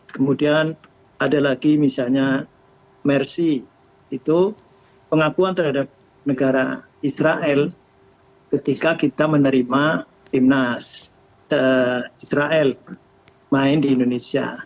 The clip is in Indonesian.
kemudian ada lagi misalnya mersi itu pengakuan terhadap negara israel ketika kita menerima timnas israel main di indonesia